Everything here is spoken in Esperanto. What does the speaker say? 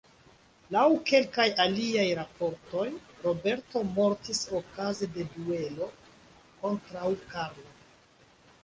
Laŭ kelkaj aliaj raportoj, Roberto mortis okaze de duelo kontraŭ Karlo.